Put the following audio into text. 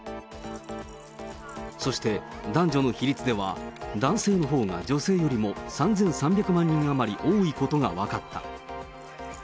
そして、男女の比率では、男性のほうが女性よりも３３００万人余り多いことが分かった。